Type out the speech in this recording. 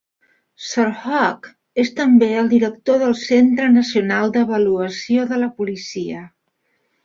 Sir Hugh és també el director del Centre Nacional d'Avaluació de la policia.